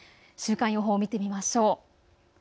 週間予報を見てみましょう。